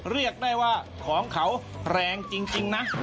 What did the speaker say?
เรียกได้ว่าของเขาแรงจริงนะ